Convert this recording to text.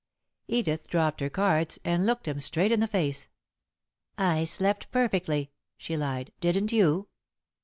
Edith dropped her cards, and looked him straight in the face. "I slept perfectly," she lied. "Didn't you?"